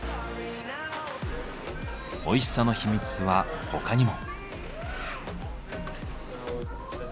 おいしさの秘密は他にも。